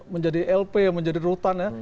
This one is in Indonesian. menjadi lp menjadi rutan ya